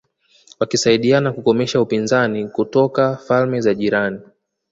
wakisaidiana kukomesha upinzani kutoka falme za jirani